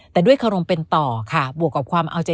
แต่ด้วยเขารมเป็นต่อค่ะ